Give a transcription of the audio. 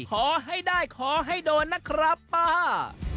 ขอให้ได้ขอให้โดนนะครับป้า